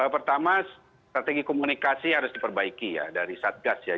pertama strategi komunikasi harus diperbaiki ya dari satgas ya